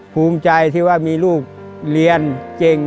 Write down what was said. ภูมิใจที่ว่ามีลูกเรียนเก่ง